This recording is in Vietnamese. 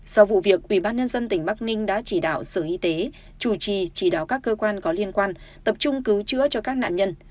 sau vụ việc ủy ban nhân dân tỉnh bắc ninh đã chỉ đạo sở y tế chủ trì chỉ đạo các cơ quan có liên quan tập trung cứu chữa cho các nạn nhân